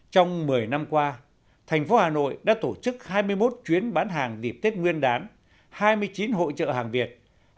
trong một mươi năm qua thành phố hà nội đã tổ chức hai mươi một chuyến bán hàng dịp tết nguyên đán hai mươi chín hội trợ hàng việt